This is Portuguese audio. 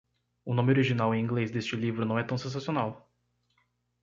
O nome original em inglês deste livro não é tão sensacional.